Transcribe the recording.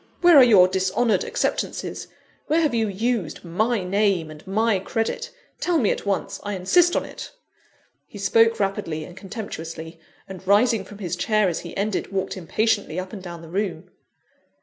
Where are your dishonoured acceptances? Where have you used my name and my credit? Tell me at once I insist on it!" He spoke rapidly and contemptuously, and rising from his chair as he ended, walked impatiently up and down the room.